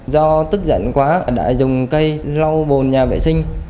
do tức giận quá đã dùng cây lau bồn nhà vệ sinh